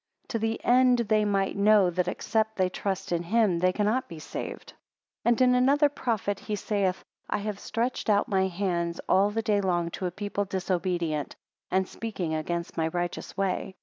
To the end they might know, that except they trust in him they cannot be saved. 6 And in another prophet, he saith, I have stretched out my hands all the day long to a people disobedient, and speaking against my righteous way.